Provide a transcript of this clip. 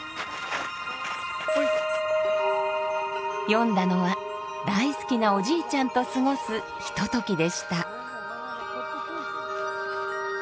詠んだのは大好きなおじいちゃんと過ごすひとときでした。